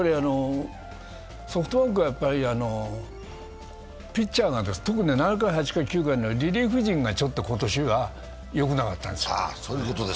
ソフトバンクはピッチャーが、特に７回、８回、９回のリリーフ陣が今年はよくなかったんですよ。